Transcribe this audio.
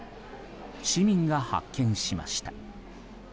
市民が発見しました。